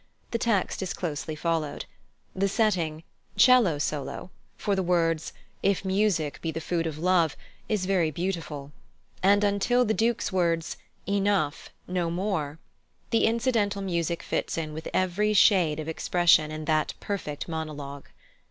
The text is closely followed. The setting ('cello solo) for the words "If music be the food of love" is very beautiful; and until the Duke's words, "Enough, no more," the incidental music fits in with every shade of expression in that perfect monologue.